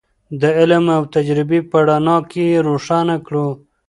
د علم او تجربې په رڼا کې یې روښانه کړو.